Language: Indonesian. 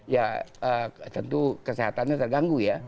ya tentu kesehatannya terganggu ya